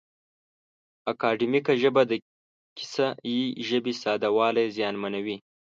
اکاډیمیکه ژبه د کیسه یي ژبې ساده والی زیانمنوي.